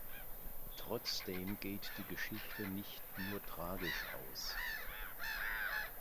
Trotzdem geht die Geschichte nicht nur tragisch aus.